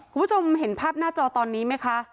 คุณผู้ชมเห็นภาพหน้าจอตอนนี้ไหมคะ